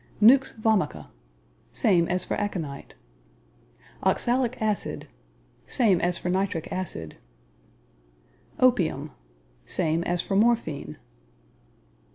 Nux Vomica Same as for aconite. Oxalic Acid Same as for nitric acid. Opium Same as for morphine.